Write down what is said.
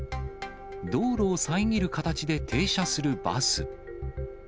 道路を遮る形で停車するバス。